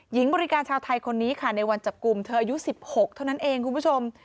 หญิงบริการชาวไทยคนนี้ค่ะในวันจับกลุ่มเธออายุ๑๖เท่านั้นเองคุณผู้ชม